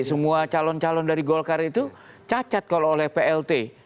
semua calon calon dari golkar itu cacat kalau oleh plt